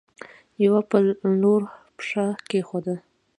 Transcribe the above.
يوه پر لور پښه کيښوده.